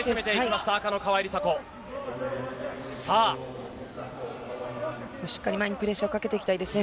しっかり前にプレッシャーをかけていきたいですね。